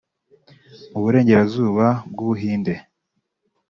mu burengerazuba bw’u Buhinde